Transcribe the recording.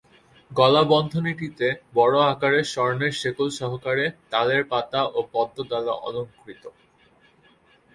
গলাবন্ধনীটিতে বড় আকারের স্বর্ণের শেকল সহকারে তালের পাতা ও পদ্ম দ্বারা অলংকৃত।